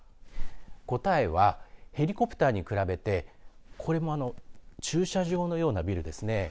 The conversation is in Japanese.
答えはヘリコプターに比べてこれも、あの駐車場のようなビルですね。